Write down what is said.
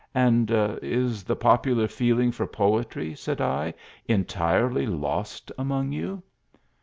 "And is the popular feeling for poetry," said t, " entirely lost among you